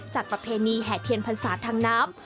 ประเพณีแห่เทียนพรรษาทางน้ำ